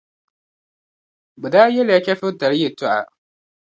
Bɛ daa yεlila chεfuritali yεltɔɣa